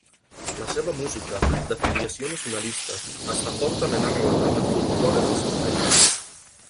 La seva música, de filiació nacionalista, està fortament arrelada en el folklore del seu país.